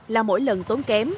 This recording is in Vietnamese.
là mỗi lần tốn kém